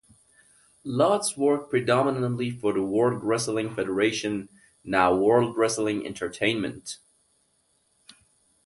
Lotz worked predominately for the World Wrestling Federation (now World Wrestling Entertainment).